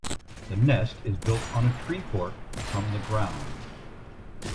The nest is built on a tree fork from the ground.